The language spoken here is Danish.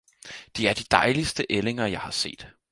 de er de dejligste ællinger jeg har set!